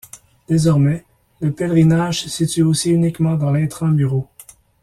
Désormais, le pèlerinage se situe aussi uniquement dans l’intra-muros.